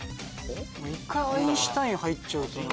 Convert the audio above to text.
一回アインシュタイン入っちゃうとな。